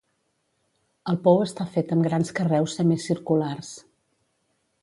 El pou està fet amb grans carreus semicirculars.